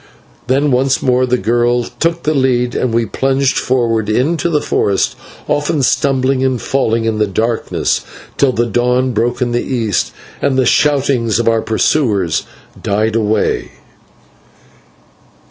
Then once more the girl took the lead, and we plunged forward into the forest, often stumbling and falling in the darkness, till the dawn broke in the east, and the shoutings of our pursuers died away.